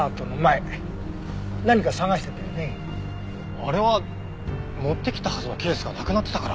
あれは持ってきたはずのケースがなくなってたから。